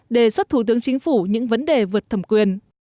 đề xuất thủ tướng chính phủ những vấn đề vượt thẩm quyền